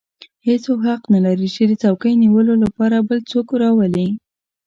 هېڅوک حق نه لري چې د څوکۍ نیولو لپاره بل څوک راولي.